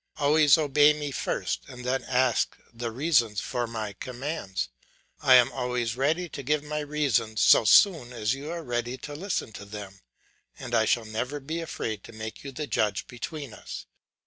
Always obey me first, and then ask the reasons for my commands; I am always ready to give my reasons so soon as you are ready to listen to them, and I shall never be afraid to make you the judge between us.